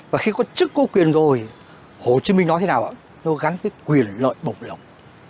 và khi có chức có quyền rồi hồ chí minh nói thế nào ạ nó gắn với quyền lợi bộc lộ